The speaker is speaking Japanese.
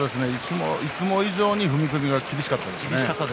いつも以上に踏み込みが厳しかったですね。